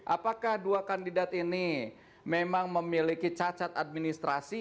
apakah dua kandidat ini memang memiliki cacat administrasi